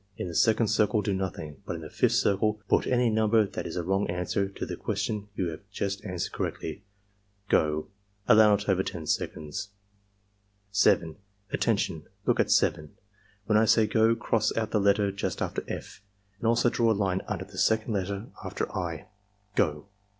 In the second circle do nothing, but in the fifth circle put ajiy number that is a wrong answer to the question that you just answered correctly. — Go!" (Allow not over 10 seconds.) 7. "Attention! Look at 7. When I say 'go' cross out the letter just after F and also draw a Une under the second letter after I. — Go!"